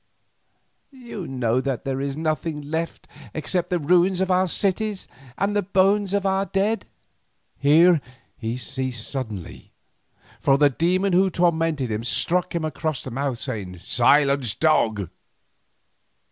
You know that there is nothing left except the ruins of our cities and the bones of our dead." Here he ceased suddenly, for the demon who tormented him struck him across the mouth saying, "Silence, dog."